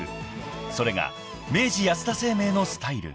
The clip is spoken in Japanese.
［それが明治安田生命のスタイル］